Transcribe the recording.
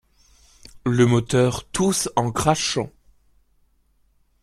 Le moteur tousse en crachant.